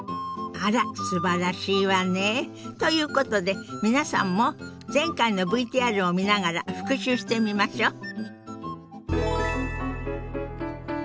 あらすばらしいわね。ということで皆さんも前回のＶＴＲを見ながら復習してみましょ。